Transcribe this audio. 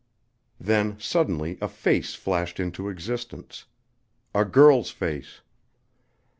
Then, suddenly, a face flashed into existence a girl's face.